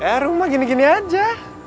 ya rumah gini gini aja